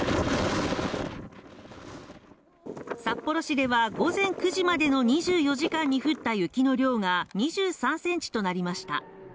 札幌市では午前９時までの２４時間に降った雪の量が２３センチとなりました